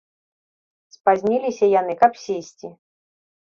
Спазніліся яны, каб сесці.